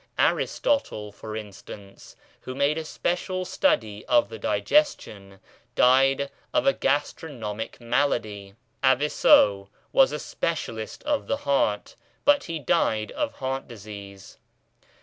Aristotle, for instance, who made a special study of the digestion, died of a gastronomic malady* Aviseu was a specialist of the heart, but he died of heart disease.